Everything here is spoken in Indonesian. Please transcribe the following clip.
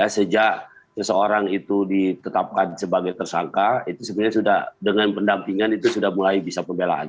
sejak seseorang itu ditetapkan sebagai tersangka itu sebenarnya sudah dengan pendampingan itu sudah mulai bisa pembelaan